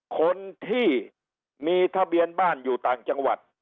คนที่มีทะเบียนบ้านอยู่ต่างจังหวัด